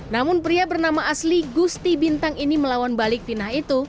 namun pria bernama asli gusti bintang ini melawan balik finah itu